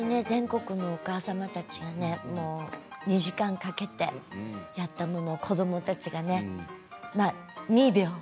全国のお母様たちが２時間かけてやったものを子どもたちがね、２秒。